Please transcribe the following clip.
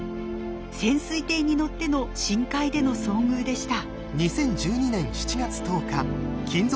潜水艇に乗っての深海での遭遇でした。